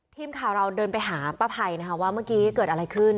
ทีมข่าวเราเดินไปหาป้าไพรนะคะว่าเมื่อกี้เกิดอะไรขึ้น